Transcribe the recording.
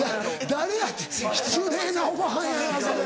誰や？って失礼なおばはんやなそれ。